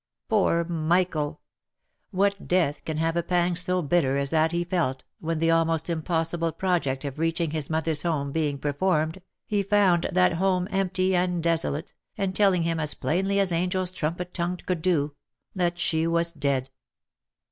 Poor Michael I what death can have a pang so bitter as that he felt, when the almost impossible project of reaching his mother's home being performed, he found that home empty and desolate, and telling him as plainly as angels trumpet tongued could do, that she was dead